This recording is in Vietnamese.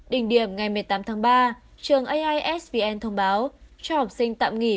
đình điểm ngày một mươi tám tháng ba trường aisvn thông báo cho học sinh tạm nghỉ